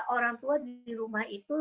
orang tua di rumah itu